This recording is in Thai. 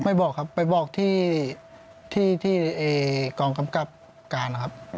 บอกครับไปบอกที่กองกำกับการครับ